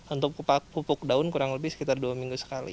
untuk pupuk daun kurang lebih sekitar dua minggu sekali